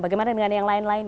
bagaimana dengan yang lain lain